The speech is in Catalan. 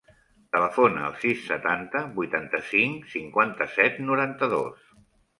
Telefona al sis, setanta, vuitanta-cinc, cinquanta-set, noranta-dos.